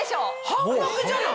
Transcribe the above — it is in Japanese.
半額じゃない！